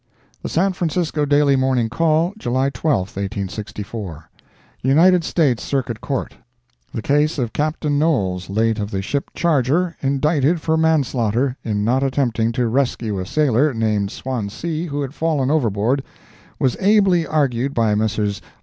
The San Francisco Daily Morning Call, July 12, 1864 UNITED STATES CIRCUIT COURT The case of Captain Knowles, late of the ship Charger, indicted for manslaughter, in not attempting to rescue a sailor, named Swansea, who had fallen overboard, was ably argued by Messrs.